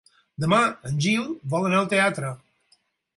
Demà en Gil vol anar al teatre.